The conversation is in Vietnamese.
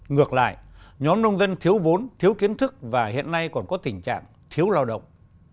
ngược lại nhóm nông dân thiếu vốn thiếu kiến thức và hiện nay còn có tình trạng thiếu lao động